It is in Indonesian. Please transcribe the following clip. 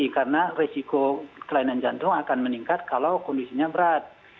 karena resiko kelainan jantung akan meningkat kalau kondisinya berat